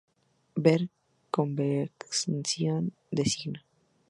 Ver convención de signo.